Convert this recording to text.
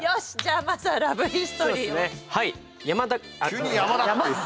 はい。